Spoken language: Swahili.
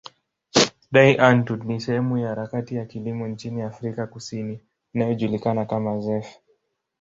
Die Antwoord ni sehemu ya harakati ya kilimo nchini Afrika Kusini inayojulikana kama zef.